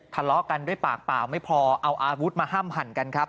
ทะเลาะกันด้วยปากเปล่าไม่พอเอาอาวุธมาห้ามหั่นกันครับ